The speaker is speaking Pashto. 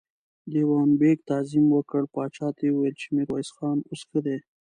دېوان بېګ تعظيم وکړ، پاچا ته يې وويل چې ميرويس خان اوس ښه دی.